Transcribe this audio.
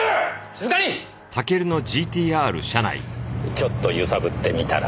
ちょっと揺さぶってみたら。